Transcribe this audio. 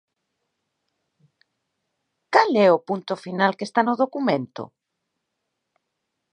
¿Cal é o punto final que está no documento?